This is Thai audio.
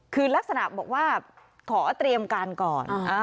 คือลักษณะบอกว่าขอเตรียมการก่อน